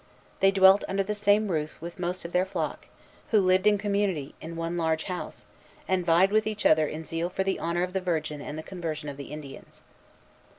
They dwelt under the same roof with most of their flock, who lived in community, in one large house, and vied with each other in zeal for the honor of the Virgin and the conversion of the Indians.